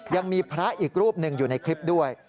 ยังมีพระอีกรูปหนึ่งอยู่ในคลิปด้วย